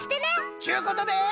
ちゅうことで。